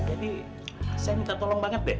jadi saya minta tolong banget be